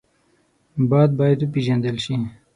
باد باید وپېژندل شي